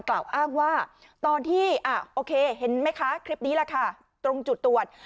กล่าวอ้างว่าตอนที่โอเคเห็นไหมคะคลิปนี้แหละค่ะตรงจุดตรวจ